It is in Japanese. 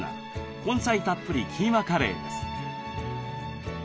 根菜たっぷりキーマカレーです。